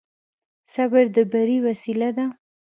صبر د بري وسيله ده.